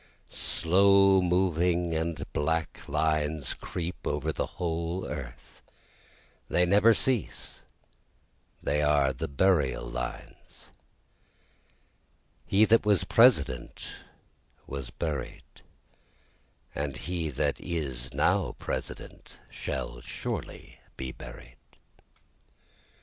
Slow moving and black lines creep over the whole earth they never cease they are the burial lines, He that was President was buried, and he that is now President shall surely be buried.